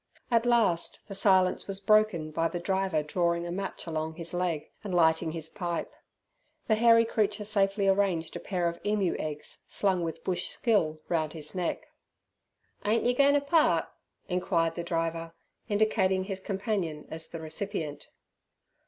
At last the silence was broken by the driver drawing a match along his leg, and lighting his pipe. The hairy creature safely arranged a pair of emu eggs, slung with bush skill round his neck. "Ain't yer goin' to part?" enquired the driver, indicating his companion as the recipient.